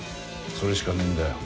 それしかねえんだよ